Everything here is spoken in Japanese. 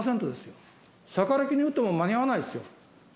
しゃかりきに打っても間に合わないですよ。